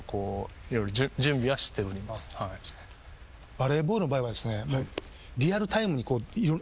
バレーボールの場合はですね。